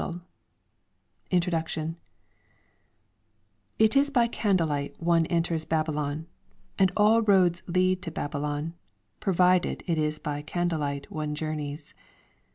T~k INTRODUCTION It is by candlelight one enters Babylon; and all roads lead to Babylon, provided it is by candlelight one journeys.